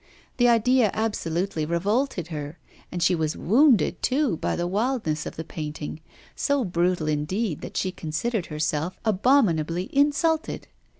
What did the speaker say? The idea absolutely revolted her, and she was wounded too by the wildness of the painting, so brutal indeed that she considered herself abominably insulted.